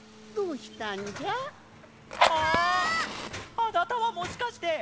あなたはもしかして！？